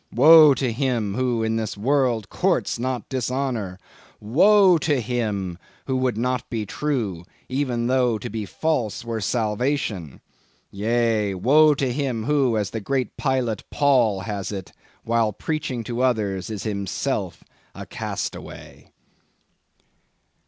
Woe to him who, in this world, courts not dishonor! Woe to him who would not be true, even though to be false were salvation! Yea, woe to him who, as the great Pilot Paul has it, while preaching to others is himself a castaway!"